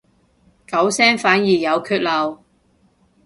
九聲反而有缺漏